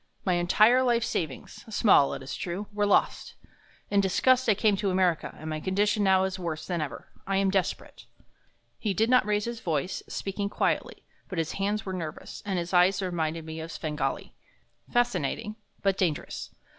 My entire life savings small, it is true were lost. In disgust I came to America, and my condition now is worse than ever. I am desperate." He did not raise his voice, speaking quietly, but his hands were nervous, and his eyes reminded me of Svengali fascinating, but dangerous.